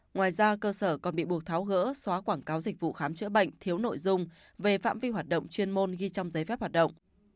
ngoài ra cơ sở còn bị buộc tháo gỡ xóa quảng cáo dịch vụ khám chữa bệnh thiếu nội dung về phạm vi hoạt động chuyên môn ghi trong giấy phép hoạt động